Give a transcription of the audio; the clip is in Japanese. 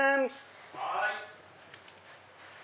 はい。